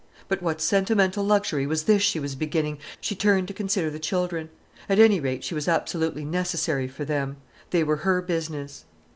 But what sentimental luxury was this she was beginning?—She turned to consider the children. At any rate she was absolutely necessary for them. They were her business.